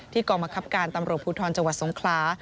กองบังคับการตำรวจภูทรจังหวัดสงคลา